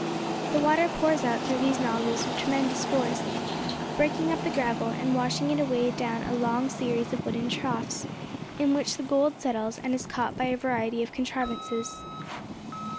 The water pours out through these nozzles with tremendous force, breaking up the gravel, and washing it away down a long series of wooden troughs, in which the gold settles, and is caught by a variety of contrivances.